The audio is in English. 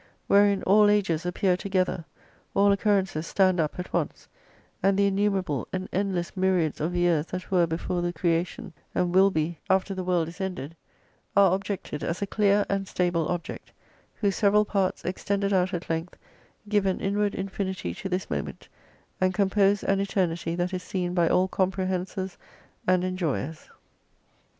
Wherein all ages appear together, all occurrences stand up at once, and the innumerable and endless myriads of years that were before the creation, and will be after the world is 323 ended, are objected as a clear and stable object, whose several parts extended out at length, give an inward infinity to this moment, and compose an eternity that is seen by all comprehensors and enjoyers.